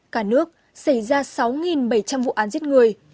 cả nước xảy ra sáu bảy trăm linh vụ án giết người